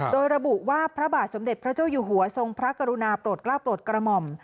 โดยระบุว่าพระบาทสมเด็จพระเจ้าอยู่หัวทรงพระกรุณาโปรดกล้าโปรดกระหม่อม